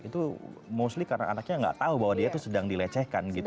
itu mostly karena anaknya nggak tahu bahwa dia itu sedang dilecehkan gitu